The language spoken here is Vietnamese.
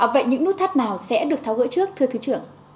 vậy những nút thắt nào sẽ được tháo gỡ trước thưa thứ trưởng